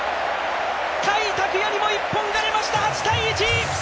甲斐拓也にも１本が出ました、８−１！